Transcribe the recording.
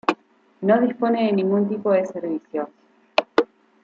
No dispone de ningún tipo de servicios.